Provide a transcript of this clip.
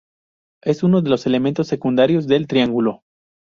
Es uno de los elementos secundarios del triángulo.